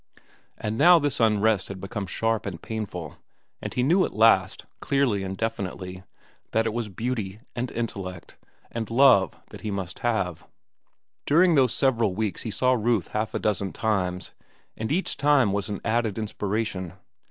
And now his unrest had become sharp and painful, and he knew at last, clearly and definitely, that it was beauty, and intellect, and love that he must have. During those several weeks he saw Ruth half a dozen times, and each time was an added inspiration.